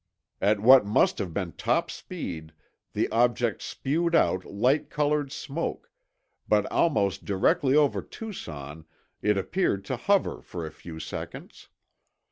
... At what must have been top speed the object spewed out light colored smoke, but almost directly over Tucson it appeared to hover for a few seconds.